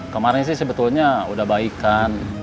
kemarin sih sebetulnya udah baik kan